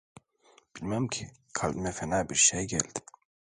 Bilmem ki kalbime fena bir şey geldi.